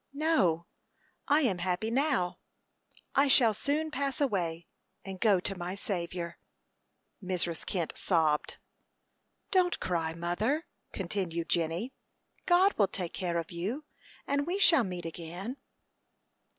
"No; I am happy now. I shall soon pass away, and go to my Saviour." Mrs. Kent sobbed. "Don't cry, mother," continued Jenny. "God will take care of you, and we shall meet again."